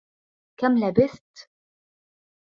كَم لبثت؟